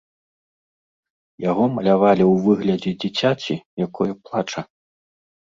Яго малявалі ў выглядзе дзіцяці, якое плача.